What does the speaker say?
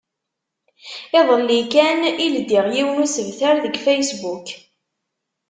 Iḍelli kan i ldiɣ yiwen usebter deg Facebook.